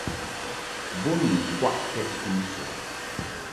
Bo ni ŋkwaʼkɛd vin sɛ.